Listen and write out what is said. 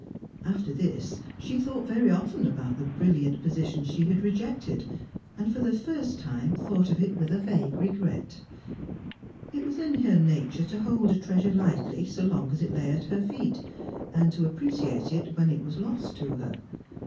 After this, she thought very often about the brilliant position she had rejected, and for the first time thought of it with a vague regret. It was in her nature to hol d a treasure lightly so long as it lay at hor feet, and to appreciate it when it was lost to her.